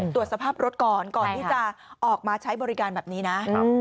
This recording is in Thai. ตรวจสภาพรถก่อนก่อนที่จะออกมาใช้บริการแบบนี้นะ